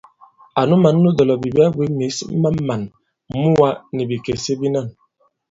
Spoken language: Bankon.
Ànu mǎn nu dɔ̀lɔ̀bìbi a bwě mǐs ma màn muwā nì bìkèse bīnân.